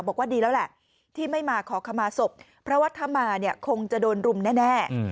บอกว่าดีแล้วแหละที่ไม่มาขอคำมาสบพระวัตถมาคงจะโดนรุมแน่